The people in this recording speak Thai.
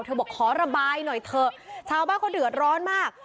บอกขอระบายหน่อยเถอะชาวบ้านเขาเดือดร้อนมาก